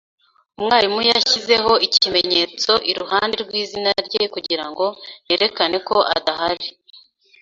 Umwarimu yashyizeho ikimenyetso iruhande rwizina rye kugirango yerekane ko adahari.